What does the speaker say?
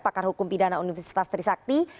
pakar hukum pidana universitas trisakti